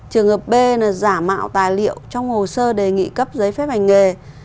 trường hợp b là giả mạo tài liệu trong hồ sơ đề nghị cấp giấy phép hành nghề